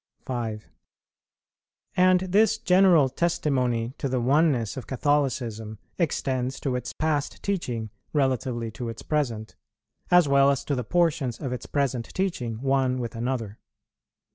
5. And this general testimony to the oneness of Catholicism extends to its past teaching relatively to its present, as well as to the portions of its present teaching one with another.